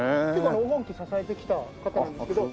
黄金期を支えてきた方なんですけど。